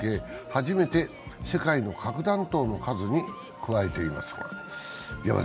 初めて世界の核弾頭の数に加えています。